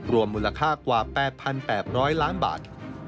รวมมูลค่ากว่า๘๘๐๐ล้านบาท